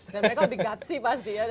dan mereka lebih gutsy pasti ya